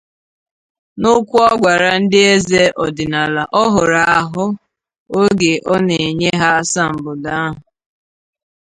N'okwu ọ gwara ndị eze ọdịnala ọhụrụ ahụ oge ọ na-enye ha asambodo ahụ